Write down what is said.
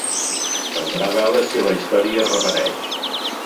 Caldrà veure si la història es repeteix.